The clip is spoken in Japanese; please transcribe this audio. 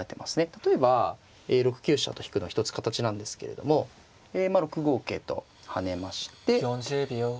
例えば６九飛車と引くの一つ形なんですけれども６五桂と跳ねまして。